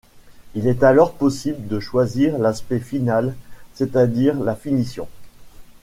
Il est alors possible de choisir l’aspect final, c’est-à-dire la finition.